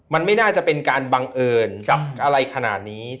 มันไม่น่าจะเป็นการบังเอิญกับอะไรขนาดนี้